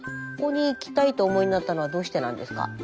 ここに行きたいとお思いになったのはどうしてなんですか？